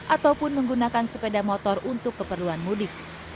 ataupun menggunakan sepeda motor untuk keperluan mudik